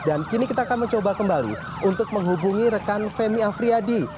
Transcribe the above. dan kini kita akan mencoba kembali untuk menghubungi rekan femi afriyadi